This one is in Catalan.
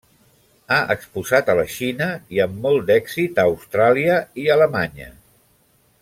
Ha exposat a la Xina i, amb molt d'èxit, a Austràlia i Alemanya.